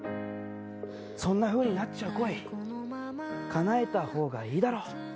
そんなふうになっちゃう恋かなえた方がいいだろ。